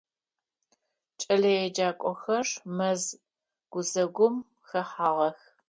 КӀэлэеджакӀохэр мэз гузэгум хэхьагъэх.